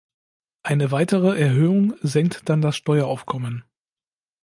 Eine weitere Erhöhung senkt dann das Steueraufkommen.